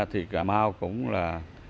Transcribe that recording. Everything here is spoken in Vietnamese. thì cà mau cũng là